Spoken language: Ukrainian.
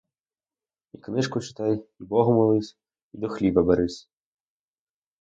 І книжку читай, і богу молись, і до хліба берись!